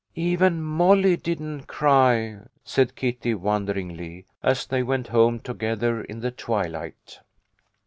" Even Molly didn't cry," said Kitty, wonderingly, as they went home together in the twilight.